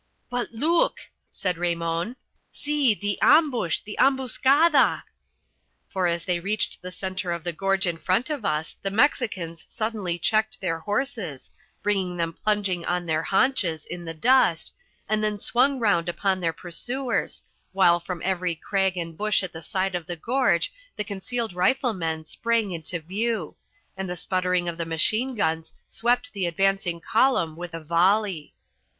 "But look!" said Raymon. "See the ambush, the ambuscada!" For as they reached the centre of the gorge in front of us the Mexicans suddenly checked their horses, bringing them plunging on their haunches in the dust, and then swung round upon their pursuers, while from every crag and bush at the side of the gorge the concealed riflemen sprang into view and the sputtering of the machine guns swept the advancing column with a volley.